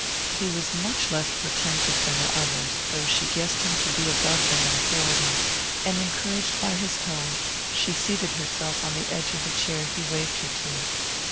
He was much less portentous than the others, though she guessed him to be above them in authority; and encouraged by his tone she seated herself on the edge of the chair he waved her to.